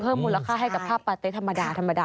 เพิ่มมูลค่าให้กับผ้าปาเตะธรรมดาด้วยนะคะ